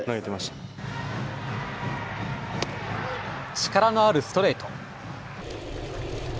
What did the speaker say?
力のあるストレート。